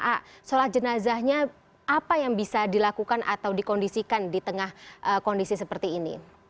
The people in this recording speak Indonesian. a sholat jenazahnya apa yang bisa dilakukan atau dikondisikan di tengah kondisi seperti ini